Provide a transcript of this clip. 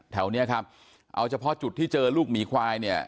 แถวนี้ครับเอาเฉพาะจุดที่เจอลูกหมีควายเนี่ย